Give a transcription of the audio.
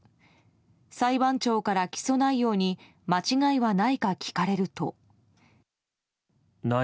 裁判長から起訴内容に間違いはないか聞かれると。